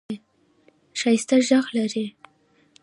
ښایسته ږغ لرې !